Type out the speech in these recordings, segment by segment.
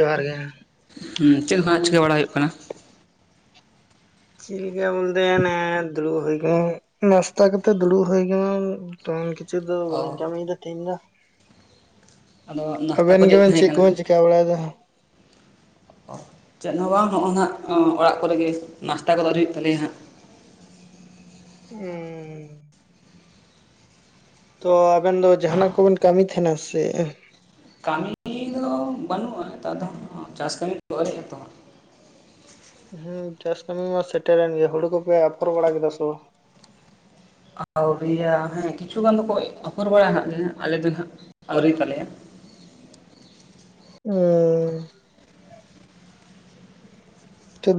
ᱡᱚᱦᱟᱨ ᱜᱮ ᱪᱮᱫ ᱦᱚᱸ ᱪᱤᱠᱟᱹ ᱵᱟᱲᱟ ᱦᱩᱭᱩᱜ ᱠᱟᱱᱟ? ᱪᱤᱞᱠᱟ ᱵᱚᱞᱫ ᱫᱩᱲᱩᱵ ᱱᱟᱥᱛᱟ ᱠᱟᱛᱮᱜ ᱫᱩᱲᱩᱵ ᱦᱩᱭ ᱟᱠᱟᱱᱟ᱾ ᱱᱚ ᱫᱚ ᱚ ᱵᱞᱤᱧ ᱠᱟᱹᱢᱤᱤᱭᱮᱫᱟ ᱛᱮᱦᱤᱧ ᱫᱚ ᱟᱫᱚ ᱱᱟᱥᱛᱟ ᱠᱚ ᱟᱵᱮᱱ ᱜᱮᱵᱮᱱ ᱛᱟᱦᱮᱸ ᱪᱮᱫ ᱠᱚ ᱠᱟᱱᱟ ᱵᱮᱱ ᱪᱮᱠᱟ ᱵᱟᱲᱟᱭᱫᱟ? ᱪᱮᱫ ᱦᱚᱸ ᱵᱟᱝ᱾ ᱱᱚᱜᱼᱚᱭ ᱱᱟᱜ ᱚᱲᱟᱜ ᱠᱚᱨᱮ ᱜᱮ ᱱᱟᱥᱛᱟ ᱠᱚᱫᱚ ᱟᱣᱨᱤ ᱦᱩᱭᱩᱜ ᱛᱟᱞᱮᱭᱟ ᱦᱟᱸᱜ ᱦᱮᱸ ᱛᱚ ᱟᱵᱮᱱ ᱫᱚ ᱡᱟᱸᱦᱟᱱᱟᱜ ᱠᱚᱵᱮᱱ ᱠᱟᱹᱢᱤ ᱛᱟᱦᱮᱱᱟ ᱥᱮ? ᱠᱟᱹᱢᱤ ᱫᱚ ᱵᱟᱹᱱᱩᱜᱼᱟ᱾ ᱱᱮᱛᱟᱨ ᱫᱚ ᱪᱟᱥ ᱠᱟᱹᱢᱤ ᱫᱚ ᱦᱮᱸ ᱪᱟᱥ ᱠᱟᱹᱢᱤ ᱢᱟ ᱥᱮᱴᱮᱨᱮᱱ ᱜᱮ ᱦᱩᱲᱩ ᱠᱚᱯᱮ ᱟᱯᱷᱚᱨ ᱵᱟᱲᱟ ᱠᱮᱫᱟ ᱥᱮ ᱵᱟᱝ? ᱟᱹᱣᱨᱤᱭᱟ ᱦᱮᱸ ᱠᱤᱪᱷᱩ ᱜᱟᱱ ᱫᱚᱠᱚ ᱚᱯᱷᱚᱨ ᱵᱟᱲᱟᱭᱟ ᱦᱟᱸᱜ ᱟᱞᱮ ᱫᱚ ᱦᱟᱸᱜ ᱟᱹᱣᱨᱤ ᱛᱟᱞᱮᱭᱟ [inaudible] ᱦᱮᱸ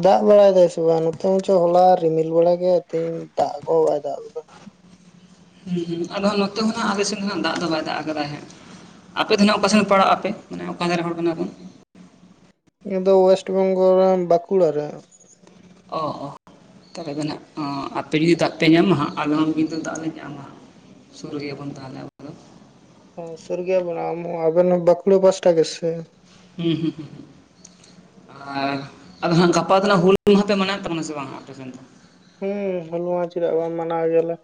ᱫᱟᱜ ᱵᱟᱲᱟᱭ ᱫᱟᱭ ᱥᱮ ᱵᱟᱝ ᱱᱚᱛᱮ ᱦᱚᱸ ᱪᱚ ᱦᱚᱞᱟ ᱨᱤᱢᱤᱞ ᱵᱟᱲᱟ ᱠᱮᱠᱼᱟ᱾ ᱛᱮᱦᱤᱧ ᱫᱟᱜ ᱠᱚᱦᱚᱸ ᱵᱟᱭ ᱫᱟᱜ ᱞᱮᱫᱟ᱾ ᱦᱩᱸ ᱦᱩᱸ ᱟᱫᱚ ᱱᱚᱛᱮ ᱦᱚᱸᱜ ᱟᱞᱮ ᱥᱮᱱ ᱱᱟᱜ ᱫᱟᱜ ᱫᱚ ᱵᱟᱭ ᱫᱟᱜ ᱠᱟᱫᱟᱭ ᱦᱟᱸ᱾ ᱟᱯᱮ ᱫᱟᱜ ᱦᱟᱜ ᱚᱠᱟ ᱥᱮᱱ ᱯᱟᱲᱟᱜ ᱟᱯᱮ᱾ ᱢᱟᱱᱮ ᱚᱠᱟ ᱫᱷᱟᱨᱮ ᱦᱚᱲ ᱠᱟᱱᱟ ᱯᱮ ᱱᱤᱭᱟᱹ ᱫᱚ ᱳᱭᱮᱥᱴ ᱵᱮᱝᱜᱚᱞ ᱵᱟᱸᱠᱩᱲᱟ ᱨᱮ ᱚ ᱚ ᱛᱟᱦᱚᱞᱮ ᱫᱚ ᱦᱟᱸᱜ ᱟᱯᱮ ᱡᱩᱫᱤ ᱫᱟᱜ ᱯᱮ ᱧᱟᱢᱟ ᱦᱟᱸᱜ ᱟᱞᱮ ᱦᱚᱸ ᱠᱤᱱᱛᱩ ᱫᱟᱜ ᱞᱮ ᱧᱟᱢᱟ᱾ ᱥᱩᱨ ᱜᱮᱭᱟᱵᱚᱱ ᱛᱟᱦᱚᱞᱮ ᱟᱵᱚ ᱫᱚ ᱚ ᱥᱩᱨᱜᱵ ᱟᱢ ᱟᱵᱮᱱ ᱵᱟᱸᱠᱩᱲ ᱯᱟᱦᱴᱟ ᱜᱮ ᱥᱮ? ᱦᱮᱸ ᱦᱮᱸ ᱟᱨ ᱟᱫᱚ ᱦᱟᱸᱜ ᱜᱟᱯᱟ ᱫᱚᱱᱟᱜ ᱦᱩᱞ ᱢᱟᱦᱯᱮ ᱢᱟᱱᱟᱣᱭᱮᱫ ᱛᱟᱵᱚᱱᱟ ᱥᱮ ᱵᱟᱝ? ᱟᱯᱮ ᱥᱮᱱ ᱫᱚ ᱦᱩᱸ ᱦᱚᱞᱩᱢᱟ ᱪᱮᱫᱟᱜ ᱵᱟᱝ ᱢᱟᱱᱟ ᱦᱩᱭᱩᱜ ᱜᱮᱭᱟᱞᱮ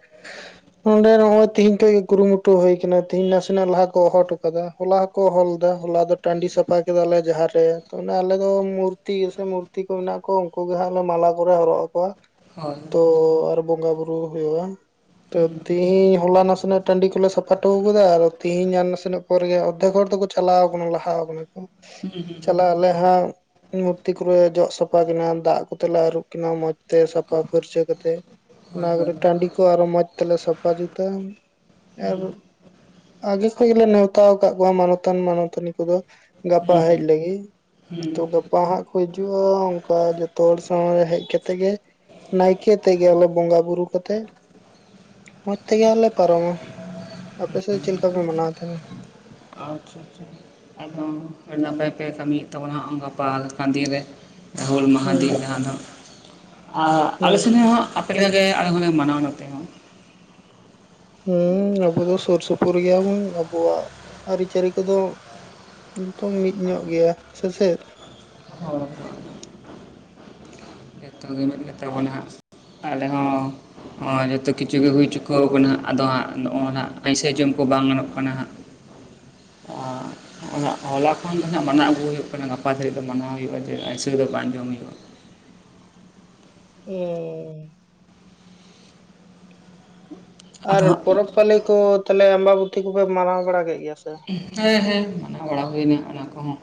ᱱᱚᱸᱰᱮ ᱱᱚᱜᱚᱭ ᱛᱤᱦᱮᱧ ᱠᱷᱚᱱᱚᱡᱮ ᱠᱩᱨᱩᱢᱩᱴᱩ ᱦᱚ ᱦᱩᱭ ᱟᱠᱟᱱᱟ ᱛᱚ ᱛᱮᱦᱮᱧ ᱱᱟᱥᱮᱱᱟᱜ ᱞᱟᱦᱟ ᱠᱚ ᱦᱚᱦᱚ ᱦᱚᱴᱚ ᱠᱟᱠᱟᱫᱟ ᱦᱚᱞᱟ ᱦᱚᱸ ᱠᱚ ᱦᱚᱦᱚ ᱞᱮᱫᱟ᱾ ᱦᱚᱞᱟ ᱫᱚ ᱴᱟᱺᱰᱤ ᱥᱟᱯᱷᱟ ᱠᱮᱫᱟᱞᱮ ᱡᱟᱦᱟᱸ ᱨᱮ ᱚᱱᱮ ᱟᱞᱮ ᱫᱚ ᱢᱩᱨᱛᱤ ᱜᱮᱥᱮ ᱢᱩᱨᱛᱤ ᱠᱚ ᱢᱮᱱᱟᱜ ᱠᱚᱣᱟ ᱩᱱᱠᱩ ᱮ ᱦᱟᱸᱜᱮ ᱢᱟᱞᱟ ᱠᱚᱞᱮ ᱦᱚᱨᱚᱜ ᱟᱠᱚᱼᱟ᱾ ᱦᱳᱭ ᱛᱚ ᱟᱨᱚ ᱵᱚᱸᱜᱟ ᱵᱩᱨᱩ ᱦᱩᱭᱩᱜᱼᱟ᱾ ᱛᱚ ᱦᱩᱸ ᱛᱮᱦᱮᱧ ᱦᱚᱞᱟ ᱱᱟᱥᱮᱱᱟᱜ ᱴᱟᱺᱰᱤ ᱠᱚᱞᱮ ᱥᱟᱯᱷᱟ ᱦᱚᱴᱚᱣᱟ ᱟᱠᱟᱫᱟ ᱛᱤᱦᱤᱧ ᱧ ᱱᱟᱥᱮᱱᱟᱜ ᱯᱚᱨᱮᱜᱮ ᱟᱚᱨᱫᱷᱠ ᱜᱚᱨ ᱫᱚ ᱠᱚ ᱪᱟᱞᱟᱣ ᱠᱟᱱᱟ ᱞᱟᱦᱟ ᱠᱟᱱᱟ ᱠᱚ ᱪᱟᱞᱟᱜ ᱟᱞᱮ ᱦᱟᱸᱜ ᱢᱩᱨᱛᱤ ᱠᱚᱨᱮ ᱡᱚᱜ ᱥᱟᱯᱷᱟ ᱠᱤᱱᱟ ᱫᱟᱜ ᱠᱚᱛᱮᱞᱮ ᱟᱹᱨᱩᱵ ᱠᱤᱱᱟ ᱢᱚᱸᱡᱽᱛᱮ ᱥᱟᱯ ᱥᱟᱯᱷᱟ ᱯᱷᱟᱹᱨᱪᱟᱹ ᱠᱟᱛᱮᱜ ᱦᱳᱭ ᱚᱱᱟ ᱦᱳᱭ ᱠᱚᱨᱮ ᱴᱟᱺᱰᱤ ᱠᱚ ᱟᱨᱚ ᱢᱚᱸᱡᱽ ᱛᱮᱞᱮ ᱥᱟᱯᱷᱟ ᱡᱩᱛᱟᱹ ᱟᱨ ᱦᱩᱸ ᱟᱜᱮ ᱠᱷᱚᱱ ᱜᱮᱞᱮ ᱱᱮᱣᱛᱟ ᱟᱠᱟᱫ ᱠᱚᱣᱟ ᱢᱟᱱᱚᱛᱟᱱ ᱢᱟᱱᱚᱛᱟᱱᱤ ᱠᱚᱫᱚ᱾ ᱜᱟᱯᱟ ᱦᱩᱸ ᱦᱮᱡ ᱞᱟᱹᱜᱤᱫ᱾ ᱦᱩᱸ ᱛᱚ ᱜᱟᱯᱟ ᱦᱟᱸᱜ ᱠᱚ ᱦᱤᱡᱩᱜᱼᱟ ᱚᱱᱠᱟ ᱡᱚᱛᱚ ᱦᱚᱲ ᱥᱟᱶ ᱨᱮ ᱦᱮᱡ ᱠᱟᱛᱮᱫ ᱜᱮ ᱱᱟᱭᱠᱮ ᱛᱮᱜᱮ ᱟᱞᱮ ᱵᱚᱸᱜᱟ ᱵᱩᱨᱩ ᱠᱟᱛᱮᱜ ᱢᱚᱡᱽ ᱛᱮᱜᱮᱞᱮ ᱯᱟᱨᱚᱢᱟ ᱟᱯᱮ ᱥᱮᱫ ᱪᱮᱫ ᱞᱮᱠᱟᱯᱮ ᱢᱟᱱᱟᱣ ᱛᱟᱦᱮᱞᱮ? ᱟᱪᱪᱷᱟ ᱟᱪᱪᱷᱟ ᱟᱨᱦᱚᱸ ᱟᱹᱰᱤ ᱱᱟᱯᱟᱭ ᱯᱮ ᱠᱟᱹᱢᱤᱭᱮᱫ ᱛᱟᱵᱚᱱᱟ ᱜᱟᱯᱟ ᱞᱮᱠᱟ ᱫᱤᱱ ᱨᱮ ᱳᱞ ᱦᱩᱸ ᱢᱚᱦᱟᱫᱮᱵᱽ ᱫᱚ ᱟᱞᱮ ᱦᱩᱸ ᱥᱮᱱ ᱦᱚᱸ ᱟᱯᱮ ᱟᱞᱮ ᱦᱚᱸ ᱞᱮ ᱢᱟᱱᱟᱣ ᱱᱚᱛᱮ ᱦᱚᱸ ᱦᱮᱸ ᱟᱵᱚ ᱫᱚ ᱥᱩᱨ ᱥᱩᱯᱩᱨ ᱜᱮᱭᱟᱵᱚᱱ ᱟᱵᱚᱣᱟᱜ ᱟᱹᱨᱤᱪᱟᱹᱞᱤ ᱠᱚᱫᱚ ᱡᱚᱛᱚ ᱢᱤᱫ ᱧᱚᱜ ᱜᱮᱭᱟ᱾ ᱥᱮ ᱪᱮᱫ? [inaudible] ᱢᱮᱛᱟ ᱟᱵᱚᱱᱟ ᱦᱚᱸᱭ ᱡᱚᱛᱚ ᱠᱤᱪᱷ ᱜᱮ ᱦᱩᱭ ᱪᱚᱠᱟᱹᱣ ᱟᱠᱟᱱᱟ ᱟᱫᱚ ᱦᱟᱸᱜ ᱱᱚᱜᱼᱚ ᱱᱟᱟᱜ ᱟᱭᱥᱟᱹ ᱡᱚᱢ ᱠᱚ ᱵᱟᱝ ᱜᱟᱱᱚᱜ ᱠᱟᱱᱟ ᱦᱟᱸᱜ ᱦᱚᱞᱟ ᱠᱷᱚᱱ ᱫᱚ ᱦᱟᱸᱜ ᱢᱟᱱᱟᱣ ᱟᱹᱜᱩ ᱦᱩᱭᱩᱜ ᱠᱟᱱᱟ ᱜᱟᱯᱟ ᱫᱷᱟᱹᱨᱤᱡ ᱫᱚ ᱢᱟᱱᱟᱣ ᱦᱩᱭᱩᱜᱼᱟ ᱡᱮ ᱟᱹᱥᱟᱹ ᱫᱚ ᱵᱟᱝ ᱡᱚᱢ ᱦᱩᱭᱩᱜᱼᱟ᱾ ᱩᱦᱻ ᱟᱫᱚ ᱟᱨ ᱦᱟᱸᱜ ᱯᱚᱨᱚᱵᱽ ᱯᱟᱹᱞᱤ ᱠᱚ ᱛᱟᱦᱞᱮ ᱟᱢᱵᱟᱵᱚᱛ ᱠᱚᱯᱮ ᱢᱟᱱᱟᱣ ᱵᱟᱲᱟ ᱠᱮᱫ ᱜᱮᱭᱟ ᱥᱮ? ᱦᱮᱸ ᱦᱮᱸ ᱢᱟᱱᱟᱣ ᱵᱟᱲᱟ ᱦᱩᱭᱱᱟ ᱚᱱᱟ ᱠᱚᱦᱚᱸ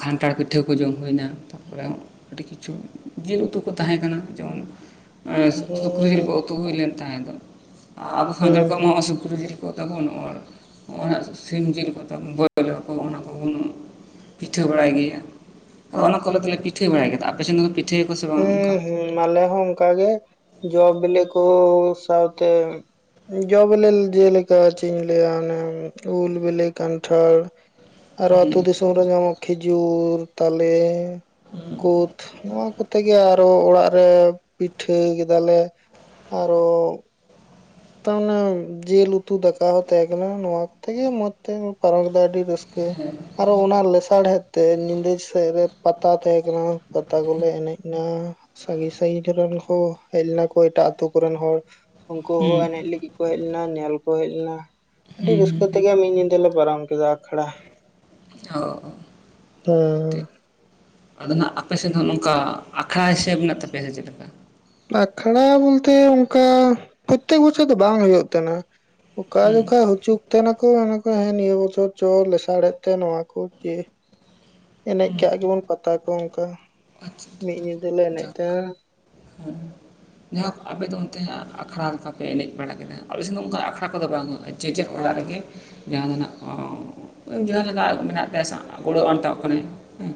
ᱠᱷᱟᱱᱴᱷᱟᱲ ᱯᱤᱴᱷᱟᱹ ᱠᱚ ᱡᱚᱢ ᱦᱩᱭᱱᱟ ᱛᱟᱨᱯᱚᱨᱮ ᱟᱹᱰᱤ ᱠᱤᱪᱷᱩ ᱡᱤᱞ ᱩᱛᱩ ᱠᱚ ᱛᱟᱦᱮᱸ ᱠᱟᱱᱟ᱾ ᱡᱮᱢᱚᱱ ᱥᱩᱠᱨᱤ ᱡᱤᱞ ᱦᱮᱸ ᱠᱚ ᱩᱛᱩ ᱦᱩᱭ ᱞᱮᱱ ᱛᱟᱦᱮᱸ ᱫᱚ ᱟᱨ ᱟᱵᱚ ᱠᱷᱟᱱᱛᱲ ᱦᱩᱸ ᱠᱚᱢᱟ ᱥᱩᱠᱨᱤ ᱡᱤᱞ ᱠᱚ ᱛᱟᱵᱚᱱ ᱥᱤᱢ ᱡᱤᱞᱠᱟ ᱵᱳᱚᱞ ᱟᱠᱚ ᱚᱱᱟ ᱠᱚᱵᱚᱱ ᱯᱤᱴᱷᱟᱹ ᱵᱟᱲᱟᱭ ᱜᱮᱭᱟ ᱟᱫᱚ ᱚᱱᱟ ᱠᱚ ᱞᱮ ᱫᱚᱞᱮ ᱯᱤᱴᱷᱟᱹ ᱵᱟᱲᱟᱭ ᱜᱮᱭᱟ ᱟᱯᱮ ᱥᱮᱱ ᱫᱚ ᱯᱤᱴᱷᱟᱹ ᱦᱮᱸ ᱦᱮᱸ ᱟᱞᱮ ᱦᱚᱸ ᱚᱱᱠᱟᱜ ᱜᱮ ᱡᱚ ᱵᱤᱞᱤ ᱠᱚ ᱥᱟᱶᱛᱮ ᱡᱚ ᱵᱤᱞᱮ ᱡᱮᱞᱮᱠᱟ ᱪᱮᱫ ᱤᱧ ᱞᱟᱹᱭᱟ ᱚᱱᱮ ᱩᱞ ᱵᱮᱞᱮ ᱠᱟᱱᱴᱷᱟᱲ ᱟᱨᱦᱚ ᱟ ᱦᱩᱸ ᱟᱹᱛᱩ ᱫᱤᱥᱚᱢ ᱨᱮ ᱧᱟᱢᱚᱜ ᱠᱷᱤᱡᱩᱨ ᱛᱟᱞᱮ ᱠᱩᱫ ᱱᱚᱣᱟ ᱠᱚ ᱛᱮᱜᱮ ᱟᱨᱚ ᱚᱲᱟᱜ ᱨᱮ ᱯᱤᱴᱷᱟᱹ ᱠᱮᱫᱟᱞᱮ ᱟᱨᱚ ᱛᱟᱨᱮ ᱡᱤᱞ ᱩᱛᱩ ᱫᱟᱠᱟ ᱦᱚᱸ ᱛᱟᱦᱮᱸ ᱠᱟᱱᱟ ᱱᱚᱣᱟ ᱠᱚᱛᱮᱜ ᱜᱮ ᱢᱚᱸᱡᱽ ᱛᱮ ᱯᱟᱨᱚᱢ ᱠᱮᱫᱟ ᱟᱹᱰᱤ ᱨᱟᱹᱥᱠᱟᱹ ᱟᱨᱦᱚ ᱚᱱᱟ ᱞᱮᱥᱟᱲᱦᱮᱫ ᱛᱮ ᱧᱤᱫᱟᱹ ᱥᱮᱫ ᱨᱮ ᱯᱟᱛᱟ ᱛᱟᱦᱮᱸ ᱠᱟᱱᱟ ᱯᱟᱛᱟ ᱠᱚᱞᱮ ᱮᱱᱮᱡ ᱮᱱᱟ ᱥᱟᱺᱜᱤᱧ ᱥᱟᱺᱜᱤᱧᱨᱮ ᱨᱮᱱ ᱦᱚᱸ ᱦᱮᱡ ᱞᱮᱱᱟ ᱠᱚ ᱮᱴᱟᱜᱛᱳ ᱠᱚᱨᱮᱱ ᱦᱚᱲ ᱩᱱᱠᱩ ᱦᱩᱸ ᱦᱚᱸ ᱮᱱᱮᱡ ᱞᱟᱹᱜᱤᱫ ᱠᱚ ᱦᱮᱡ ᱞᱮᱱᱟ ᱧᱮᱞ ᱠᱚ ᱦᱮᱡ ᱞᱮᱱᱟ ᱟᱹᱰᱤ ᱦᱩᱸ ᱦᱩᱸ ᱨᱟᱹᱥᱠᱟᱹ ᱛᱮᱜᱮ ᱢᱤᱫ ᱧᱤᱫᱟᱹ ᱞᱮ ᱯᱟᱨᱚᱢ ᱠᱮᱫᱟ ᱟᱠᱷᱲᱟ ᱦ ᱦᱮᱸ ᱟᱫᱚ ᱱᱟᱜ ᱟᱯᱮ ᱥᱮᱫ ᱦᱚᱸ ᱱᱚᱝᱠᱟ ᱟᱠᱷᱲᱟ ᱦᱤᱥᱟᱹᱵ ᱢᱮᱱᱟᱜ ᱛᱟᱯᱮᱭᱟ ᱥᱮ ᱪᱮᱫᱞᱮᱠᱟ ᱟᱠᱷᱲᱟ ᱵᱚᱞᱛᱮ ᱚᱱᱠᱟ ᱯᱨᱚᱛᱛᱮᱠ ᱵᱚᱪᱷᱚᱨ ᱫᱚ ᱵᱟᱝ ᱦᱩᱭᱩᱜ ᱠᱟᱱᱟ ᱚᱠᱟ ᱦᱩᱸ ᱡᱚᱠᱚᱡ ᱦᱚᱪᱩᱜ ᱛᱟᱦᱮᱱᱟᱠᱚ ᱠᱚ ᱦᱮᱸ ᱱᱤᱭᱟᱹ ᱵᱚᱪᱷᱚᱨ ᱪᱚ ᱞᱮᱥᱟᱲᱮᱫ ᱛᱮ ᱱᱚᱣᱟ ᱠᱚ ᱡᱮ ᱮᱱᱮᱡ ᱠᱟᱜ ᱜᱮᱵᱚᱱ ᱯᱟᱛᱟ ᱠᱚ ᱚᱱᱠᱟ ᱟᱪᱪᱷᱟ ᱢᱤᱫ ᱧᱤᱫᱟᱹᱞᱮ ᱮᱱᱮᱡ ᱡᱟᱠ ᱛᱟᱦᱮᱱᱟ ᱦᱮᱸ ᱡᱟᱭᱦᱳᱠ ᱟᱯᱮ ᱫᱚ ᱚᱱᱛᱮ ᱟᱠᱷᱲᱟ ᱞᱮᱠᱟᱯᱮ ᱮᱱᱮᱡ ᱵᱟᱲᱟ ᱠᱮᱫᱟ ᱟᱯᱮ ᱥᱮᱫ ᱫᱚ ᱚᱱᱠᱟ ᱟᱠᱷᱲᱟ ᱠᱚᱫᱚ ᱵᱟᱝ ᱦᱩᱭᱩᱜᱼᱟ ᱡᱮ ᱡᱟᱨ ᱚᱲᱟᱜ ᱨᱮᱜᱮ ᱡᱟᱦᱟᱸ ᱢᱮᱱᱟᱜ ᱠᱚ ᱡᱟᱦᱟᱸ ᱞᱮᱠᱟ ᱢᱮᱱᱟᱜ ᱛᱟᱭᱟ ᱜᱚᱲᱚ ᱟᱱᱴᱟᱣ ᱠᱟᱱᱟᱭ ᱦᱮᱸ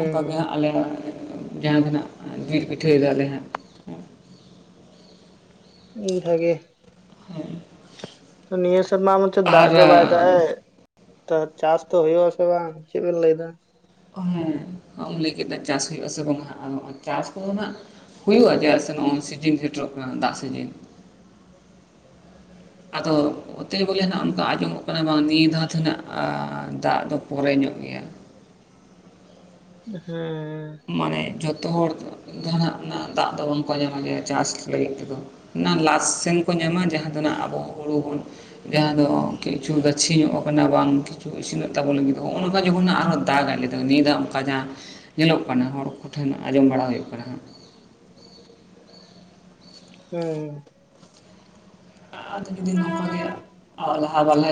ᱚᱱᱠᱟᱜᱮ ᱦᱟᱸᱜ ᱟᱞᱮᱭᱟᱜ ᱡᱟᱦᱟᱸ ᱫᱚ ᱦᱟᱸᱜ ᱢᱤᱞ ᱯᱤᱴᱷᱟᱹᱭ ᱦᱟᱞᱮ ᱦᱟᱸᱜ ᱦᱚᱸ ᱵᱷᱟᱹᱜᱮ ᱛᱚ ᱱᱤᱭᱟᱹ ᱥᱮᱨᱢᱟ ᱦᱚᱪᱮᱫ ᱫᱟᱜ ᱟᱨ ᱜᱮ ᱵᱟᱭᱫᱟᱜ ᱮᱫ ᱛᱚ ᱪᱟᱥ ᱛᱚ ᱦᱩᱭᱩᱜ ᱟᱥᱮ ᱵᱟᱝ ᱪᱮᱫ ᱵᱮᱱ ᱞᱟᱹᱭ ᱮᱫᱟ ᱩᱱ ᱞᱟᱹᱭ ᱠᱮᱫ ᱪᱟᱥ ᱦᱩᱭᱩᱜᱼᱟ ᱥᱮ ᱵᱟᱝ ᱪᱟᱥ ᱠᱚᱫᱚ ᱦᱟᱜ ᱦᱩᱭᱩᱜᱼᱟ ᱡᱮᱫᱟᱜ ᱥᱮ ᱱᱚᱜᱼᱚᱭ ᱥᱤᱡᱤᱱ ᱥᱮᱴᱮᱨᱚᱜ ᱠᱟᱱᱟ ᱫᱟᱜ ᱥᱤᱡᱤᱱ ᱟᱫᱚ ᱚᱛᱮ ᱵᱚᱞᱮ ᱚᱱᱠᱟ ᱟᱸᱡᱚᱢᱚᱜ ᱠᱟᱱᱟ ᱵᱟᱝ ᱱᱤᱭᱟᱹ ᱫᱷᱟᱣ ᱛᱮᱱᱟᱜ ᱫᱟᱜ ᱫᱚ ᱯᱚᱨᱮ ᱧᱚᱜ ᱜᱮᱭᱟ ᱦᱮᱸ ᱡᱚᱛᱚ ᱦᱚᱲ ᱡᱟᱦᱱᱟᱜ ᱫᱟᱜ ᱫᱚ ᱵᱟᱝᱠᱚ ᱧᱟᱢᱚᱜ ᱜᱮᱭᱟ ᱪᱟᱥ ᱞᱟᱹᱜᱤᱫ ᱛᱮᱫᱚ ᱚᱱᱟ ᱞᱟᱥ ᱟᱥᱮᱱ ᱠᱚ ᱧᱟᱢᱟ ᱡᱟᱦᱟᱸ ᱫᱚᱱᱟᱜ ᱟᱵᱚ ᱦᱩᱲᱩ ᱵᱚ ᱡᱟᱦᱟᱸ ᱫᱚ ᱠᱤᱪᱷᱩ ᱜᱟᱹᱪᱷᱤ ᱧᱚᱜ ᱠᱟᱱᱟ ᱵᱟᱝ ᱤᱥᱤᱱᱚᱜ ᱛᱟᱵᱚ ᱞᱟᱹᱜᱤᱫ ᱱᱚᱜᱼᱚ ᱱᱚᱝᱠᱟ ᱡᱚᱠᱷᱚᱱ ᱟᱨ ᱦᱚᱸ ᱫᱟᱜ ᱟᱭ ᱞᱮᱫᱟ ᱱᱤᱭᱟᱹ ᱫᱷᱟᱣ ᱚᱱᱠᱟ ᱡᱟᱦᱟᱸ ᱧᱮᱞᱚᱜ ᱠᱟᱱᱟ ᱦᱚᱲ ᱠᱚ ᱴᱷᱮᱱ ᱟᱸᱡᱚᱢ ᱵᱟᱲᱟ ᱦᱩᱭᱩᱜ ᱠᱟᱱᱟ ᱦᱟᱜ ᱦᱮᱸ ᱡᱩᱫᱤ ᱱᱚᱝᱠᱟ ᱜᱮ ᱞᱟᱦᱟ ᱵᱟᱞ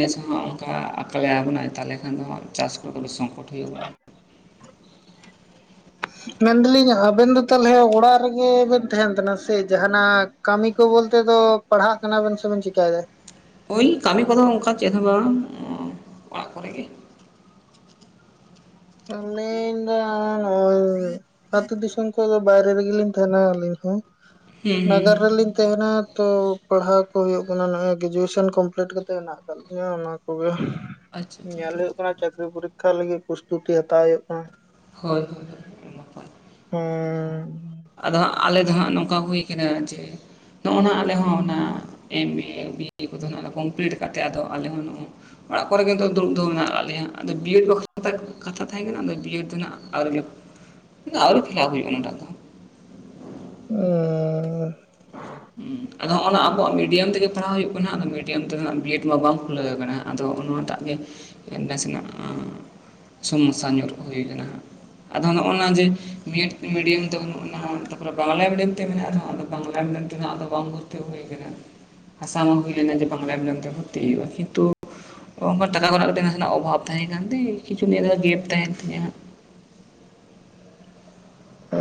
ᱡᱮᱥ ᱦᱚᱸ ᱚᱱᱠᱟ ᱵᱚᱱᱟᱭ ᱛᱟᱦᱚᱞᱮ ᱠᱷᱟᱱ ᱫᱚ ᱪᱟᱥ ᱠᱚ ᱥᱚᱝᱠᱚᱴ ᱦᱩᱭᱩᱜ ᱠᱟᱱᱟ ᱢᱮᱱᱫᱟᱞᱤᱧ ᱟᱵᱮᱱ ᱫᱚ ᱛᱟᱦᱚᱞᱮ ᱚᱲᱟᱜ ᱨᱮᱜᱮ ᱵᱮᱱ ᱛᱟᱦᱮᱱ ᱠᱟᱱᱟ ᱥᱮ ᱡᱟᱦᱟᱱᱟᱜ ᱠᱟᱹᱢᱤ ᱠᱚ ᱵᱚᱞᱛᱮ ᱠᱟᱢᱤ ᱠᱚ ᱵᱚᱞᱛᱮᱫᱚ ᱫᱚ ᱯᱟᱲᱦᱟᱜ ᱠᱟᱱᱟ ᱵᱮᱱ ᱥᱮᱵᱮᱱ ᱪᱤᱠᱟᱭᱮᱫᱟ ᱦᱳᱭ ᱠᱟᱹᱢᱤ ᱠᱚᱫᱚ ᱚᱱᱠᱟ ᱪᱮᱫ ᱦᱚᱸ ᱵᱟᱝ ᱚᱲᱟᱜ ᱠᱚᱨᱮ ᱜᱮ ᱚᱱᱟᱹᱧ ᱫᱟ ᱟᱹᱛᱳ ᱫᱤᱥᱚᱢ ᱠᱚᱫᱚ ᱵᱟᱭᱨᱮ ᱨᱮᱜᱮᱞᱤᱧ ᱛᱟᱦᱮᱱᱟ ᱟᱹᱞᱤᱧ ᱦᱚᱸ ᱦᱩᱸ ᱦᱩᱸ ᱱᱟᱜᱟᱨ ᱨᱮᱞᱤᱧ ᱛᱟᱦᱮᱱᱟ ᱛᱚ ᱯᱟᱲᱦᱟᱣ ᱠᱚ ᱦᱩᱭᱩᱜ ᱠᱟᱱᱟ ᱱᱚᱜ ᱜᱨᱮᱡᱩᱭᱮᱥᱚᱱ ᱠᱚᱢᱯᱤᱞᱴ ᱠᱟᱛᱮᱜ ᱢᱮᱱᱟᱜ ᱟᱠᱟᱫ ᱞᱤᱧᱟᱹ ᱚᱱᱟ ᱠᱚᱜᱮ ᱟᱪᱪᱷᱟ ᱟᱪᱪᱷᱟ ᱧᱮᱞ ᱟᱪᱪᱷᱟ ᱦᱩᱭᱩᱜ ᱠᱟᱱᱟ ᱪᱟᱹᱠᱨᱤ ᱯᱚᱨᱤᱠᱠᱷᱟ ᱞᱟᱹᱜᱤᱫ ᱯᱳᱥᱴ ᱪᱩᱴᱤ ᱦᱟᱛᱟᱣ ᱦᱩᱭᱩᱜ ᱠᱟᱱᱟ ᱦᱳᱭ ᱦᱳᱭ ᱦᱳᱭ ᱱᱟᱯᱟᱭ ᱦᱩᱸ ᱟᱫᱚ ᱦᱟᱜ ᱟᱞᱮ ᱫᱚ ᱦᱟᱸᱜ ᱱᱚᱝᱠᱟ ᱦᱩᱭ ᱠᱟᱱᱟ ᱡᱮ ᱱᱚᱜᱼᱚᱭ ᱱᱟ ᱟᱞᱮ ᱦᱚᱸ ᱚᱱᱟ ᱮᱢ ᱮ ᱵᱤᱭᱮ ᱠᱚᱫᱚ ᱠᱚᱢᱯᱞᱤᱴ ᱠᱟᱛᱮᱜ ᱟᱫᱚ ᱟᱞᱮ ᱦᱚᱸ ᱱᱚᱜ ᱚᱲᱟᱜ ᱠᱚᱨᱮᱜᱮ ᱫᱩᱲᱩᱵ ᱢᱮᱱᱟᱜ ᱠᱟᱜ ᱞᱮᱭᱟ ᱟᱫᱚ ᱵᱤᱭᱮᱰ ᱵᱟᱠᱷᱨᱟ ᱠᱟᱛᱷᱟ ᱛᱟᱦᱮᱸ ᱠᱟᱱᱟ ᱟᱫᱚ ᱵᱤᱭᱮᱰ ᱫᱚ ᱦᱟᱸᱜ ᱟᱣᱨᱤ ᱞᱮ ᱟᱨᱩ ᱯᱷᱮᱨᱞᱟᱯ ᱦᱩᱭᱩᱜᱼᱟ ᱚᱱᱟᱴᱟᱜ ᱫᱚ ᱟᱨ ᱦᱩᱸ ᱟᱫᱚ ᱦᱚᱸᱜᱼ ᱱᱟ ᱟᱵᱚᱣᱟᱜ ᱢᱤᱰᱤᱭᱟᱢ ᱛᱮᱜᱮ ᱯᱟᱲᱦᱟᱣ ᱦᱩᱭᱩᱜ ᱠᱟᱱᱟ ᱟᱫᱚ ᱢᱤᱰᱤᱭᱟᱢ ᱛᱮᱫᱟᱜ ᱵᱤᱭᱮᱰ ᱢᱟ ᱵᱟᱝ ᱠᱷᱩᱞᱟᱹᱣ ᱟᱠᱟᱱᱟ᱾ ᱟᱫᱚ ᱚᱱᱟᱴᱟᱜ ᱜᱮ ᱱᱟᱥᱮᱱᱟᱜ ᱥᱚᱢᱚᱥᱥᱟ ᱧᱩᱨ ᱠᱚ ᱦᱩᱭ ᱠᱟᱱᱟ᱾ ᱟᱫᱚ ᱱᱚᱜᱼᱚ ᱱᱟ ᱡᱮ ᱢᱮᱰᱤᱭᱟᱢ ᱛᱮ ᱛᱟᱯᱚᱨᱮ ᱵᱟᱝᱞᱟ ᱢᱤᱰᱤᱭᱟᱢ ᱛᱮ ᱢᱮᱱᱟᱜ ᱨᱮᱦᱚᱸ ᱵᱟᱝᱞᱟ ᱟᱫᱚ ᱠᱚᱢ ᱵᱷᱩᱨᱛᱤ ᱦᱩᱭ ᱠᱟᱱᱟ᱾ ᱟᱥᱟᱢ ᱦᱚᱸ ᱦᱩᱭ ᱞᱮᱱᱟ ᱡᱮ ᱵᱟᱝᱞᱟ ᱢᱤᱰᱤᱭᱚᱢ ᱵᱷᱚᱨᱛᱤᱼᱟ᱾ ᱠᱤᱱᱛᱩ ᱟᱱᱟᱴ ᱴᱟᱠᱟ ᱠᱟᱣᱰᱤ ᱠᱟᱹᱴ ᱱᱟᱥᱮᱱᱟᱜ ᱚᱵᱷᱟᱵᱽ ᱛᱟᱦᱮᱸ ᱠᱟᱱ ᱛᱤ ᱠᱤᱪᱷᱩ ᱱᱤᱭᱟᱹ ᱜᱮ ᱜᱮᱯ ᱛᱟᱦᱮᱱ ᱛᱤᱧᱟᱹ ᱦᱟᱸᱜ ᱻ [inaudible] ᱚ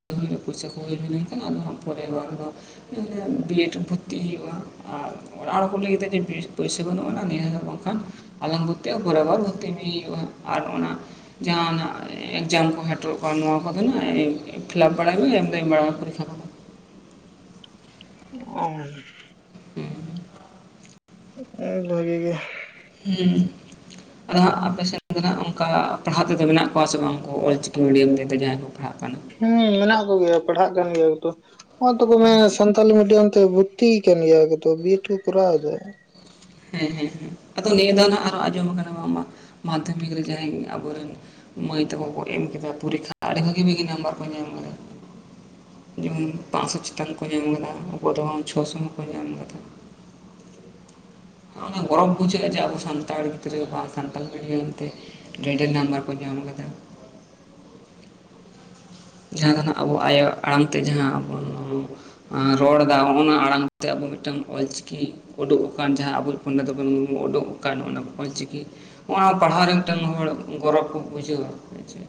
ᱯᱚᱨᱪᱟ ᱠᱚ ᱦᱩᱭ ᱦᱩᱭ ᱞᱮᱱᱠᱷᱟᱱ ᱟᱫᱚ ᱦᱟᱸᱜ ᱯᱚᱨᱮ ᱵᱟᱨ ᱨᱮᱸᱫᱚ ᱵᱤ ᱮᱰ ᱵᱷᱚᱨᱛᱤ ᱦᱩᱭᱩᱜᱼᱟ᱾ ᱚᱲᱟᱜ ᱠᱚ ᱞᱟᱹᱭ ᱠᱟᱫᱟ ᱡᱮ ᱯᱚᱭᱥᱟᱹ ᱵᱟᱹᱱᱩᱜᱼᱟ᱾ ᱱᱤᱭᱟᱹ ᱵᱟᱝᱠᱷᱟᱱ ᱟᱞᱟᱝ ᱵᱩ ᱮᱨ ᱯᱚᱨᱮ ᱵᱷᱚᱨᱛᱤ ᱦᱩᱭᱩᱜᱼᱟ ᱟᱨ ᱚᱱᱟ ᱡᱟᱦᱟᱱᱟᱜ ᱮᱠᱡᱟᱢ ᱠᱚ ᱦᱚᱴᱮᱨᱚᱜ ᱱᱚᱣᱟ ᱠᱚᱫᱚ ᱦᱟᱜ ᱯᱷᱤᱞᱟᱯ ᱵᱟᱲᱟᱭ ᱢᱮ ᱮᱢ ᱫᱚᱮᱢ ᱵᱟᱲᱟᱭ ᱢᱮ ᱯᱚᱨᱤᱠᱠᱷᱟ ᱠᱚᱫᱚ ᱚ ᱵᱷᱟᱹᱜᱤ ᱜᱮ ᱦᱮᱸ ᱚᱸᱦᱟᱜ ᱟᱯᱮᱥᱮᱡ ᱫᱚ ᱦᱟᱸᱜ ᱚᱱᱠᱟ ᱯᱟᱲᱦᱟᱜ ᱛᱮᱫᱚ ᱢᱮᱱᱟᱜ ᱠᱚᱣᱟ ᱥᱮ ᱵᱟᱝ? ᱚᱞ ᱪᱤᱠᱤ ᱢᱤᱰᱤᱭᱟᱢ ᱛᱮ ᱫᱚ ᱡᱟᱦᱟᱸᱭ ᱠᱚ ᱯᱟᱲᱦᱟᱜ ᱠᱟᱱᱟ ᱦᱮᱸ ᱢᱮᱱᱟᱜ ᱠᱚᱜᱮᱭᱟ᱾ ᱯᱟᱲᱦᱟᱜ ᱠᱟᱱ ᱜᱮᱭᱟ ᱠᱚ ᱛᱚ, ᱚᱞ ᱛᱟᱠᱚ ᱢᱮ ᱥᱟᱱᱛᱷᱟᱞᱤ ᱢᱤᱰᱤᱭᱟᱢ ᱛᱮ ᱵᱷᱩᱨᱛᱤᱭ ᱠᱟᱱ ᱜᱮᱭᱟ ᱠᱚ ᱛᱚ ᱵᱤ ᱮᱴ ᱠᱚ ᱠᱚᱨᱟᱣ ᱯᱮ ᱜᱮ ᱦᱮᱸᱻᱦᱮᱸᱻᱦᱮᱸ ᱟᱫᱚ ᱱᱤᱭᱟᱹ ᱫᱷᱟᱱ ᱟᱨ ᱦᱚᱸ ᱟᱸᱡᱚᱢ ᱟᱠᱟᱱᱟ ᱵᱟᱝᱢᱟ ᱢᱟᱫᱽᱫᱷᱚᱢᱤᱠ ᱨᱮ ᱡᱟᱦᱟᱸᱭ ᱟᱵᱚ ᱨᱮᱱ ᱢᱟᱹᱭ ᱛᱟᱠᱚ ᱠᱚ ᱮᱢ ᱠᱮᱫᱟ ᱯᱚᱨᱤᱠᱠᱷᱟ ᱟᱹᱰᱤ ᱵᱷᱟᱹᱜᱤᱻᱵᱷᱟᱹᱜᱤ ᱱᱟᱢᱵᱟᱨ ᱠᱚ ᱧᱟᱢ ᱠᱮᱫᱟ᱾ ᱡᱮᱢᱚᱱ ᱯᱟᱸᱥᱥᱚ ᱪᱮᱛᱟᱱ ᱠᱚ ᱧᱟᱢ ᱠᱟᱫᱟ ᱚᱠᱚᱭ ᱫᱚ ᱪᱷᱚᱥᱚ ᱦᱚᱸᱠᱚ ᱧᱟᱢ ᱠᱟᱫᱟ᱾ [inaudible] ᱜᱚᱨᱚᱵᱽ ᱵᱩᱡᱷᱟᱹᱜᱼᱟ ᱡᱮ ᱟᱵᱚ ᱥᱟᱱᱛᱟᱲ ᱜᱤᱫᱽᱨᱟᱹ ᱵᱟ ᱥᱟᱱᱛᱟᱲ ᱢᱤᱰᱤᱭᱟᱢ ᱛᱮ ᱰᱰᱮ ᱱᱟᱢᱵᱟᱨ ᱠᱚ ᱧᱟᱢ ᱟᱠᱟᱫᱟ [inaudible] ᱡᱟᱦᱟᱸ ᱫᱚ ᱱᱟᱦᱟᱜ ᱟᱵᱚ ᱟᱭᱳ ᱟᱲᱟᱝ ᱛᱮ ᱡᱟᱦᱟᱸ ᱵᱚᱱ ᱨᱚᱲᱫᱟ ᱦᱚᱸ ᱚᱸ ᱱᱚᱶᱟ ᱟᱲᱟᱝ ᱛᱮ ᱢᱤᱫᱴᱟᱝ ᱚᱞᱪᱤᱠᱤ ᱩᱰᱩᱠ ᱟᱠᱟᱱ ᱡᱟᱦᱟᱸ ᱟᱵᱚ ᱤᱡ ᱯᱚᱱᱰᱤᱛ ᱨᱚᱜᱷᱩᱱᱟᱛᱷ ᱢᱩᱨᱢᱩ ᱩᱰᱩᱠ ᱟᱠᱟᱱ ᱚᱱᱟ ᱚᱞ ᱪᱤᱠᱤ ᱦᱚᱸ ᱚᱭ ᱱᱚᱣᱟ ᱯᱟᱲᱦᱟᱣ ᱨᱮ ᱢᱤᱫᱴᱟᱝ ᱦᱚᱲ ᱜᱚᱨᱚᱵᱽ ᱠᱚ ᱵᱩᱡᱷᱟᱹᱣᱟ ᱦᱮᱪᱮ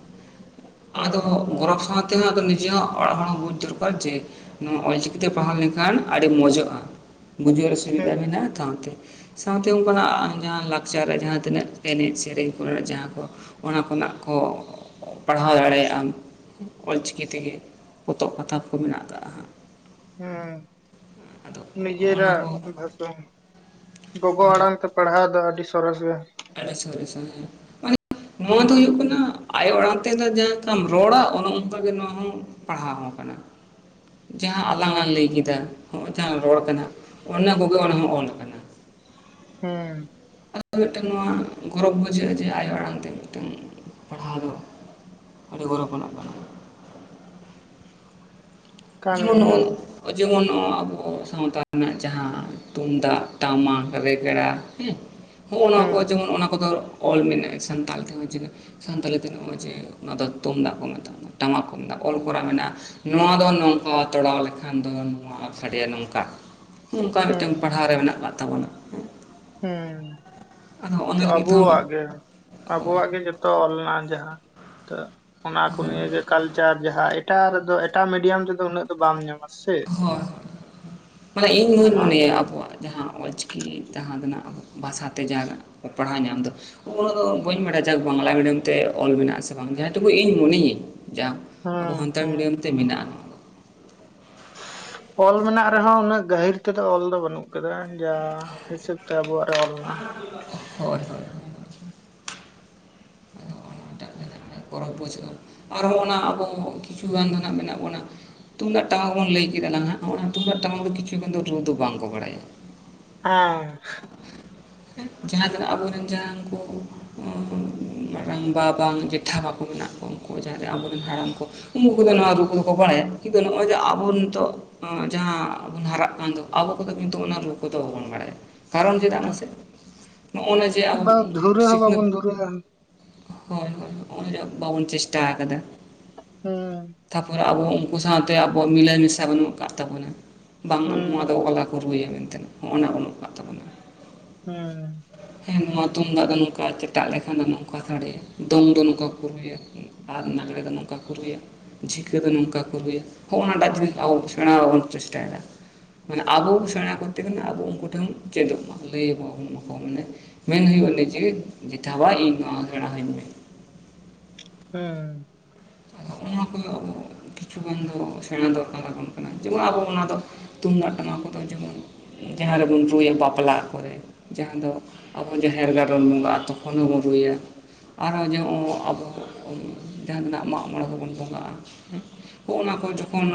ᱟᱫᱚ ᱦᱮᱸ ᱜᱚᱨᱚᱵ ᱥᱟᱶ ᱛᱮᱦᱚᱸ ᱱᱤᱡᱮᱨᱟᱜ ᱚᱲᱟᱜ ᱦᱚᱲ ᱦᱚᱸ ᱱᱚᱛᱮ ᱵᱩᱡᱽ ᱫᱚᱨᱠᱟᱨ ᱡᱮ ᱱᱚᱣᱟ ᱚᱞᱪᱤᱠᱤᱛᱮ ᱯᱟᱲᱦᱟᱣ ᱞᱮᱱᱠᱷᱟᱱ ᱟᱹᱰᱤ ᱢᱚᱸᱚᱡᱚᱜᱼᱟ ᱾ ᱜᱩᱡᱟᱨ ᱦᱮᱸ ᱥᱵᱤᱫᱷᱟ ᱢᱮᱱᱟᱜᱼᱟ᱾ ᱛᱚ ᱚᱱᱟ ᱛᱮ ᱥᱟᱶᱛᱮ ᱚᱱᱠᱟᱱᱟᱜ ᱡᱟᱦᱟᱸ ᱞᱟᱠᱪᱟᱨ ᱡᱟᱦᱟᱸ ᱛᱤᱱᱟᱹᱜ ᱜᱮ ᱮᱱᱮᱡ ᱥᱮᱨᱮᱧ ᱠᱚᱨᱮᱱᱟᱜ᱾ ᱡᱟᱦᱟᱸ ᱠᱚ ᱚᱱᱟ ᱠᱚᱨᱮᱱᱟᱜ ᱟᱠᱚ ᱯᱟᱲᱦᱟᱣ ᱫᱟᱲᱮᱭᱟᱜ ᱟᱢ᱾ ᱚᱞ ᱪᱤᱠᱤ ᱛᱮᱜᱮ ᱯᱚᱛᱚᱵ ᱠᱟᱛᱷᱟ ᱠᱚ ᱦᱚᱸ ᱢᱮᱱᱟᱜ ᱟᱠᱟᱼᱟ ᱦᱟᱜ᱾ ᱦᱚᱸ ᱚᱱᱟ ᱱᱤᱡᱮᱨᱟᱜ ᱠᱚ ᱵᱷᱟᱥᱟ ᱜᱚᱜᱚ ᱚᱱᱟ ᱟᱲᱟᱝ ᱛᱮ ᱯᱟᱲᱦᱟᱣ ᱫᱚ ᱟᱹᱰᱤ ᱥᱚᱨᱮᱥ ᱜᱮ᱾ ᱱᱚᱶᱟ ᱫᱚ ᱦᱩᱭᱩᱜ ᱠᱟᱱᱟ ᱟᱭᱳ ᱟᱲᱟᱝ ᱛᱮ ᱫᱚ ᱡᱟᱦᱟᱸ ᱞᱮᱠᱟᱢ ᱨᱚᱲᱟ ᱚᱱᱮ ᱚᱱᱠᱟ ᱜᱮ ᱱᱚᱶᱟ ᱦᱚᱸ ᱯᱟᱲᱦᱟᱣ ᱦᱚᱸ ᱠᱟᱱᱟ᱾ ᱡᱟᱦᱟᱸ ᱟᱞᱟᱝ ᱟᱜ ᱦᱮᱸ ᱞᱟᱹᱭ ᱠᱮᱫᱟ ᱦᱚᱸᱚᱭ ᱡᱟᱦᱟᱸ ᱨᱚᱲ ᱠᱟᱱᱟ ᱦᱟᱜ ᱚᱱᱟ ᱠᱚᱜᱮ ᱚᱱᱟ ᱦᱚᱸ ᱚᱞ ᱠᱟᱱᱟ ᱦᱮᱸ ᱢᱤᱫᱴᱟᱝ ᱱᱚᱣᱟ ᱜᱚᱨᱚᱵᱽ ᱵᱩᱡᱷᱟᱹᱜᱼᱟ ᱡᱮ ᱟᱭᱳ ᱟᱲᱟᱝ ᱛᱮ ᱢᱤᱫᱴᱟᱝ ᱯᱟᱲᱦᱟᱣ ᱫᱚ ᱟᱹᱰᱤ ᱜᱚᱨᱚᱵᱽ ᱟᱱᱟᱜ ᱠᱟᱱᱟ᱾ ᱠᱟᱱ ᱜᱮᱭᱟ ᱡᱮᱢᱚᱱ ᱡᱮᱢᱚᱱ ᱱᱚᱶᱟ ᱟᱵᱚ ᱥᱟᱶᱛᱟ ᱨᱮᱱᱟᱜ ᱡᱟᱦᱟᱸ ᱛᱩᱢᱫᱟᱜ, ᱴᱟᱢᱟᱠ, ᱨᱮᱜᱽᱲᱟ ᱦᱮᱸ᱾ ᱦᱚᱜᱼᱚ ᱱᱚᱣᱟ ᱠᱚ ᱦᱮᱸ ᱡᱮᱢᱚᱱ ᱚᱱᱟ ᱠᱚ ᱫᱚ᱾ ᱚᱞ ᱢᱮᱱᱟᱜᱼᱟ ᱥᱟᱱᱛᱟᱞᱤ ᱛᱮ ᱦᱚᱸ ᱥᱟᱱᱛᱟᱞᱤ ᱛᱮ ᱦᱚᱸ ᱪᱤᱱᱟᱹᱠ ᱡᱮ ᱚᱱᱟ ᱫᱚ ᱛᱩᱢᱫᱟᱜ ᱠᱚ ᱢᱮᱛᱟᱜᱼᱟ᱾ ᱴᱟᱢᱟᱠ ᱠᱩ ᱢᱮᱛᱟᱜ᱾ ᱚᱞ ᱠᱚᱨᱟ ᱢᱮᱱᱟᱜᱼᱟ ᱱᱚᱣᱟ ᱫᱚ ᱱᱚᱝ᱾ ᱱᱚ ᱛᱚᱲᱟᱣ ᱞᱮᱠᱷᱟᱱ ᱫᱚ ᱱᱚᱣᱟ ᱥᱟᱰᱮᱭᱟ ᱱᱚᱝᱠᱟ ᱱᱚᱝᱠᱟ ᱢᱤᱫᱴᱟᱝ ᱦᱮᱸ ᱯᱟᱲᱦᱟᱣ ᱨᱮ ᱢᱮᱱᱟᱜ ᱟᱠᱟᱫ ᱛᱚ ᱛᱟᱵᱱᱟ ᱦᱮᱸ [unintelligible] ᱛᱚ ᱞᱟᱹᱜᱤᱫ ᱦᱚᱸ ᱟᱵᱚᱣᱟᱜ ᱜᱮ, ᱦᱳᱭ ᱟᱵᱚᱣᱟᱜ ᱜᱮ ᱡᱚᱛᱚ ᱚᱞᱱᱟ ᱡᱟᱦᱟᱸ, ᱛᱚ ᱚᱱᱟ ᱠᱚ ᱱᱤᱭᱟᱹ ᱜᱮ ᱠᱟᱞᱪᱟᱨ ᱡᱟᱦᱟᱸ ᱮᱴᱟᱜ ᱨᱮᱫᱚ ᱮᱴᱟᱜ ᱢᱤᱰᱤᱭᱟᱢ ᱨᱮᱫᱚ ᱩᱱᱟᱹᱜ ᱫᱚ ᱵᱟᱢ ᱧᱟᱢᱟ᱾ ᱥᱮ ᱦᱳᱭ ᱢᱟᱱᱮ ᱤᱧ ᱦᱚᱸᱧ ᱚᱱᱟ ᱢᱚᱱᱮᱭᱟ ᱟᱵᱚᱣᱟᱜ᱾ ᱡᱟᱦᱟᱸ ᱚᱪᱤᱠᱤ ᱛᱟᱸᱻᱦᱟᱸ ᱫᱚ ᱱᱟᱜ ᱵᱷᱟᱥᱟᱛᱮ ᱡᱟᱦᱟᱸ ᱱᱟᱜ ᱠᱚ ᱯᱟᱲᱦᱟᱣ ᱧᱟᱢ ᱫᱚ ᱦᱚᱜᱼᱚ ᱱᱤ ᱫᱚ ᱵᱟᱹᱧ ᱵᱟᱲᱟᱭᱟ᱾ ᱡᱟᱠ ᱵᱟᱝᱞᱟ ᱢᱤᱰᱤᱭᱟᱢ ᱛᱮ ᱚᱞ ᱢᱮᱱᱟᱜᱼᱟ ᱥᱮ ᱵᱟᱝ ᱡᱟᱦᱟᱸ ᱴᱩᱠᱩ ᱤᱧ ᱢᱚᱱᱮᱭᱟᱹᱧ᱾ ᱡᱟ ᱟᱵᱚ ᱦᱮᱸ ᱥᱟᱱᱛᱟᱲ ᱦᱮᱸ ᱢᱤᱰᱤᱭᱟᱢ ᱛᱮ ᱢᱮᱱᱟᱜᱼᱟ᱾ ᱦ [inaudible] ᱚᱞ ᱢᱮᱱᱟᱜ ᱨᱮᱦᱚᱸ ᱩᱱᱟᱹᱜ ᱜᱟᱹᱦᱤᱨ ᱛᱮᱫᱚ ᱚᱞ ᱫᱚ ᱵᱟᱹᱱᱩᱜ ᱠᱟᱫᱟ ᱡᱟ ᱦᱤᱥᱟᱹᱵ ᱛᱮ ᱟᱵᱚᱣᱟᱜ᱾ ᱞᱱᱟ ᱦᱳᱭ ᱦᱳᱭ [unintelligible] ᱟᱴ [unintelligible] ᱯᱚᱨᱚᱵᱽ ᱯᱪ ᱟᱨᱦᱚᱸ ᱚᱱᱟ ᱟᱵᱚ ᱠᱤᱪᱷᱩ ᱜᱟᱱ ᱫᱚ ᱱᱟᱦᱟᱸᱜ ᱢᱮᱱᱟᱜ ᱵᱚᱱᱟ᱾ [unintelligible] ᱛᱩᱢᱫᱟᱜ ᱴᱟᱢᱟᱠ ᱵᱚᱱ ᱞᱟᱹᱭ ᱠᱮᱫᱟ ᱱᱟᱦᱟᱜ, ᱦᱚᱸᱜ ᱚᱭ ᱱᱚᱣᱟ ᱛᱩᱢᱫᱟᱜ ᱴᱟᱢᱟᱠ ᱫᱚ ᱠᱤᱪᱷᱩ ᱜᱟᱱ ᱫᱚ ᱨᱩ ᱫᱚ ᱵᱟᱝᱠᱚ ᱵᱟᱲᱟᱭᱟ᱾ ᱚᱝ᱾ ᱡᱟᱦᱟᱸ ᱛᱤᱱᱟᱹᱠ ᱟᱵᱚᱨᱮᱱ ᱡᱟᱦᱟᱸ ᱠᱚ ᱢᱟᱨᱟᱝ ᱵᱟ ᱵᱟᱝ [unintelligible] ᱯᱛᱷᱟᱵᱟᱠᱚ ᱢᱮᱱᱟᱜ ᱠᱚᱣᱟ ᱩᱱᱠᱩ ᱡᱟᱦᱟᱸᱨᱮ ᱟᱵᱚᱨᱮᱱ ᱦᱟᱲᱟᱢ ᱠᱚ ᱩᱱᱠᱩ ᱠᱚᱫᱚ ᱱᱚᱣᱟ ᱨᱩ ᱫᱚᱠᱚ ᱵᱟᱲᱟᱭᱟ ᱠᱤᱱᱛᱩ ᱱᱚᱜᱼᱚᱭ ᱡᱮ ᱟᱵᱚᱱ ᱱᱤᱛᱳᱜ ᱡᱟᱦᱟᱸ ᱵᱚᱱ ᱦᱟᱨᱟᱜ ᱠᱟᱱ ᱫᱚ ᱟᱵᱚ ᱠᱚᱫᱚ ᱠᱤᱱᱛᱩ ᱚᱱᱟ ᱨᱩ ᱠᱚᱫᱚ ᱵᱟᱵᱚᱱ ᱵᱟᱲᱟᱭᱟ ᱠᱟᱨᱚᱱ ᱪᱮᱫᱟᱜ ᱢᱟᱥᱮ ᱱᱚᱜᱼᱚᱭ ᱱᱟ ᱡᱮ ᱦᱮᱸ ᱟᱵᱚ ᱵᱟ ᱫᱷᱩᱨᱟᱹ ᱦᱚᱸ ᱥᱤᱠᱷᱱᱟᱹᱛ ᱵᱟᱵᱚᱱ ᱫᱷᱩᱨᱟᱹᱜᱼᱟ ᱦᱳᱭ ᱦᱳᱭ ᱦᱚᱸᱜᱼᱚᱭ ᱡᱮ ᱵᱟᱵᱚᱱ ᱪᱮᱥᱴᱟ ᱟᱠᱟᱫᱟ ᱦᱮᱸ ᱛᱟᱯᱚᱨᱮ ᱟᱵᱚ ᱩᱱᱠᱩ ᱥᱟᱶᱛᱮ ᱟᱵᱚᱣᱟᱜ ᱢᱤᱞᱟᱹᱭ ᱢᱮᱥᱟ ᱵᱟᱹᱱᱩᱜ ᱟᱠᱟᱫ ᱛᱟᱵᱚᱱᱟ ᱵᱟᱝ ᱱᱚᱣᱟ ᱦᱮᱸ ᱫᱚ ᱚᱱᱠᱟ ᱠᱚ ᱨᱩᱭᱟ ᱢᱮᱱᱛᱮ ᱦᱚᱜᱼ ᱱᱟ ᱵᱟᱹᱱᱩᱜ ᱠᱟᱜ ᱛᱟᱵᱚᱱᱟ ᱦᱮᱸ ᱦᱮᱸ ᱱᱚᱣᱟ ᱛᱩᱢᱫᱟᱜ ᱫᱚ ᱱᱚᱝᱠᱟ ᱪᱮᱴᱟᱜ ᱞᱮᱠᱷᱟᱱ ᱫᱚ ᱱᱚᱝᱠᱟ ᱥᱟᱹᱰᱮᱭᱟ ᱫᱚᱝ ᱫᱚ ᱱᱚᱝᱠᱟ ᱠᱚ ᱨᱩᱭᱟᱹ ᱟᱨ ᱞᱟᱜᱽᱲᱮ ᱫᱚ ᱱᱚᱝᱠᱟ ᱠᱚ ᱨᱩᱭᱟ ᱡᱷᱤᱠᱟᱹ ᱫᱚ ᱱᱚᱝᱠᱟ ᱠᱚ ᱨᱩᱭᱟ ᱦᱚᱜᱼᱚ ᱱᱟᱴᱟᱜ ᱡᱤᱱᱤᱥ ᱟᱵᱚ ᱥᱮᱬᱟ ᱵᱚᱱ ᱪᱮᱥᱴᱟᱭᱮᱫᱟ ᱢᱟᱱᱮ ᱟᱵᱚ ᱥᱮᱬᱟ ᱠᱚᱨᱛᱮ ᱜᱮᱞᱮ ᱟᱵᱚ ᱩᱱᱠᱩ ᱴᱷᱮᱱ ᱪᱮᱫᱚᱜ ᱢᱟ ᱞᱟᱹᱭ ᱟᱵᱚ ᱟᱠᱚ ᱢᱟᱱᱮ ᱢᱮᱱ ᱦᱩᱭᱩᱜᱼᱟ ᱱᱤᱡᱮ ᱡᱮ ᱡᱮᱴᱷᱟ ᱵᱟ ᱤᱧ ᱱᱚᱣᱟ ᱥᱮᱬᱟ ᱤᱧ ᱢᱮ [unintelligible] ᱦᱮᱸ ᱦᱚᱦᱚᱱᱟ ᱠᱚᱫᱚ ᱟᱵᱚ ᱠᱤᱪᱷᱩᱜᱟᱱ ᱫᱚ ᱥᱮᱬᱟ ᱫᱚᱨᱠᱟᱨ ᱟᱵᱚᱱ ᱠᱟᱱᱟ ᱡᱮᱢᱚᱱ ᱟᱵᱚ ᱚᱱᱟ ᱫᱚ ᱛᱩᱢᱫᱟᱜ ᱴᱟᱢᱟᱠ ᱠᱚᱫᱚ ᱡᱮᱢᱚᱱ ᱡᱟᱦᱟᱸ ᱨᱮᱵᱚᱱ ᱨᱩᱭᱟ ᱵᱟᱯᱞᱟ ᱠᱚᱨᱮ ᱡᱟᱦᱟᱸ ᱫᱚ ᱟᱵᱚ ᱡᱟᱦᱮᱨ ᱜᱟᱲ ᱨᱮᱚᱱ ᱵᱚᱸᱝᱟᱜᱼᱟ ᱛᱚᱠᱷᱚᱱ ᱦᱚᱸᱵᱚᱱ ᱨᱩᱭᱟ ᱟᱨᱚ ᱡᱮ ᱟᱵᱚ ᱡᱟᱦᱟ ᱛᱤᱱᱟᱜ ᱢᱟᱜ ᱢᱟᱜ ᱢᱚᱬᱮ ᱠᱚᱵᱚᱱ ᱵᱚᱸᱜᱟᱜᱼᱟᱜ ᱚᱱᱟ ᱠᱚ ᱡᱚᱠᱷᱚᱱ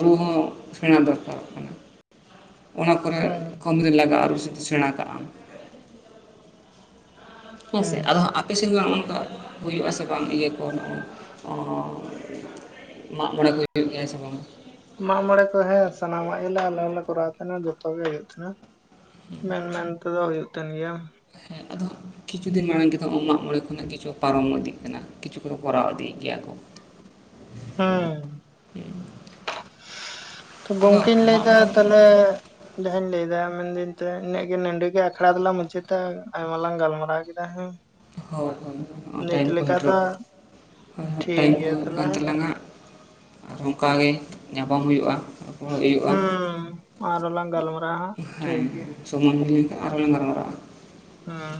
ᱨᱩ ᱦᱚᱸ ᱥᱮᱬᱟ ᱫᱚᱨᱠᱟᱨᱚᱜ ᱠᱟᱱᱟ ᱚᱱᱟ ᱠᱚᱨᱮ ᱦᱮᱸ ᱠᱟᱢᱤ ᱨᱮ ᱞᱟᱜᱟᱜᱼᱟ ᱨᱩ ᱥᱮᱬᱟ ᱠᱚ ᱦᱮᱸ ᱥᱮ ᱟᱫᱚ ᱟᱯᱮᱥᱮᱱ ᱦᱩᱭᱩᱜ ᱟᱥᱮ ᱵᱟᱝ ᱤᱭᱟᱹ ᱠᱚ ᱱᱚᱜᱼᱚᱭ ᱢᱟᱜ ᱢᱚᱬᱮ ᱠᱚ ᱦᱩᱭᱩᱜ ᱜᱮᱭᱟ ᱥᱮ ᱵᱟᱝ ᱢᱟᱜ ᱢᱚᱬᱮ ᱠᱚ ᱦᱮᱸ ᱥᱟᱱᱟᱢᱟᱜ ᱜᱮᱞᱮ ᱟᱞᱮ ᱦᱚᱸᱞᱮ ᱠᱚᱨᱟᱣ ᱛᱟᱦᱮᱸᱱᱟ ᱡᱚᱛᱚ ᱜᱮ ᱦᱩᱭᱩᱜ ᱛᱟᱦᱮᱸᱱᱟ ᱢᱮᱱ ᱢᱮᱱ ᱛᱮᱫᱚ ᱦᱩᱭᱩᱜ ᱛᱟᱦᱮᱱ ᱜᱮᱭᱟ ᱦᱮᱸ ᱟᱫᱚ ᱠᱤᱪᱷᱩ ᱫᱤᱱ ᱢᱟᱲᱟᱝ ᱜᱮᱛᱚ ᱢᱟᱜ ᱢᱚᱬᱮ ᱠᱷᱚᱱᱟᱜ ᱠᱤᱪᱷᱩ ᱯᱟᱨᱚᱢ ᱤᱫᱤᱜ ᱠᱟᱱᱟ ᱠᱤᱪᱷᱩ ᱠᱚ ᱫᱚ ᱠᱚᱨᱟᱣ ᱤᱫᱤᱭᱮᱜ ᱜᱮᱭᱟ ᱠᱚ [unintelligible] ᱦᱮᱸ ᱦᱮᱸ ᱛᱚ ᱟᱫᱚ ᱜᱚᱝᱠᱮᱧ ᱢᱟᱜ ᱞᱟᱹᱭᱫᱟ ᱢᱚᱬᱮ ᱛᱟᱦᱚᱞᱮ ᱡᱟᱦᱟᱧ ᱞᱟᱹᱭ ᱫᱟ ᱢᱮᱱᱫᱟᱹᱧ ᱤᱱᱟᱹᱜ ᱜᱮ ᱱᱚᱰᱮ ᱜᱮ ᱟᱠᱷᱲᱟ ᱫᱚᱞᱟᱝ ᱢᱩᱪᱟᱹᱫᱟ ᱟᱭᱢᱟ ᱞᱟᱝ ᱜᱟᱞᱢᱟᱨᱟᱣ ᱠᱮᱫᱟ ᱦᱮᱸ ᱦᱳᱭ ᱦᱳᱭ ᱱᱤᱛ ᱴᱟᱭᱤᱢ ᱠᱚ ᱞᱮᱠᱟ ᱫᱚ ᱥᱮᱴᱮᱨᱚᱜ ᱦᱳᱭ ᱦᱳᱭ ᱴᱷᱤᱠ ᱴᱟᱭᱤᱢ ᱠᱚ ᱜᱮᱭᱟ ᱦᱩᱭᱩᱜ ᱛᱟᱦᱞᱮ ᱠᱟᱱ ᱛᱟᱞᱟᱝ ᱟ ᱟᱨᱦᱚᱸ ᱚᱱᱠᱟᱜᱮ ᱧᱟᱯᱟᱢ ᱦᱩᱭᱩᱜᱼᱟ ᱚᱲᱚᱜ ᱦᱩᱭᱩᱜᱼᱟ ᱦᱮᱸ ᱟᱨᱚ ᱞᱟᱝ ᱜᱟᱞᱢᱟᱨᱟᱣᱟ ᱦᱟᱸᱜ ᱦᱮᱸ ᱴᱷᱤᱠ ᱜᱮᱭᱟ ᱥᱚᱢᱚᱭ ᱦᱩᱭ ᱟᱠᱟᱱᱟ ᱟᱨᱦᱚ ᱞᱟᱝ ᱜᱟᱞᱢᱟᱨᱟᱣᱼᱟ᱾ ᱦᱮᱸ